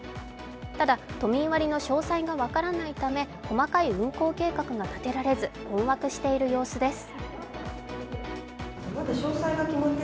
ただ都民割の詳細が分からないため細かい運行計画が立てられず、困惑している様子です。